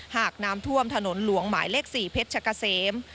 หากน้ำท่วมถนนหลวงหมายเลข๔เพชรชะกะเสม